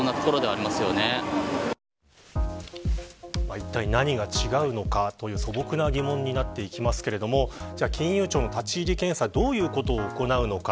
いったい何が違うのかという素朴な疑問になっていきますが金融庁の立ち入り検査どういうことを行うのか。